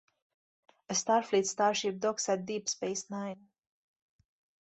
A Starfleet starship docks at Deep Space Nine.